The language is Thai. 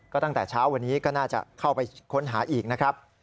ก็ตั้งแต่เช้าวันนี้ก็น่าจะเข้าไปค้นหาอีกนะครับ